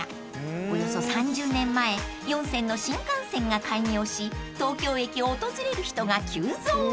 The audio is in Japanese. ［およそ３０年前４線の新幹線が開業し東京駅を訪れる人が急増］